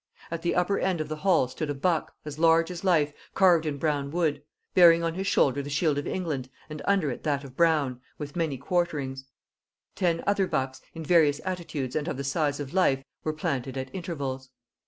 At the upper end of the hall stood a buck, as large as life, carved in brown wood, bearing on his shoulder the shield of England and under it that of Brown with, many quarterings: ten other bucks, in various attitudes and of the size of life, were planted at intervals.